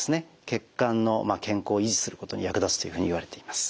血管の健康を維持することに役立つというふうにいわれています。